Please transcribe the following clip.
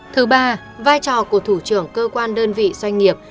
thứ ba vai trò của thủ trưởng cơ quan đơn vị doanh nghiệp